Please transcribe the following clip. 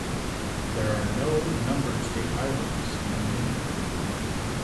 There are no numbered state highways in Lincoln.